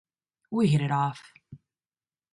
We hit it off.